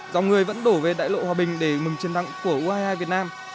dòng người vẫn đổ về đại lộ hòa bình để mừng chiến thắng của u hai mươi hai việt nam